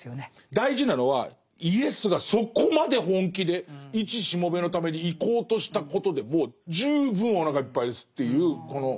大事なのはイエスがそこまで本気でいちしもべのために行こうとしたことでもう十分おなかいっぱいですっていうこの。